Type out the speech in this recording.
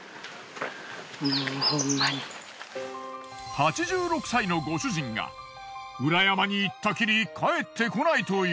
８６歳のご主人が裏山に行ったきり帰ってこないという。